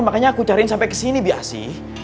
makanya aku cariin sampai kesini biasi